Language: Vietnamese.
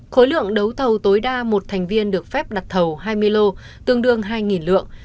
khối lượng đấu thầu tối đa một thành viên được phép đặt thầu hai mươi lô tương đương hai lượng